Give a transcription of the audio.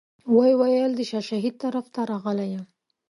ویې ویل د شاه شهید طرف ته راغلی یم.